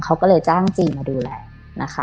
เขาก็เลยจ้างจีนมาดูแลนะคะ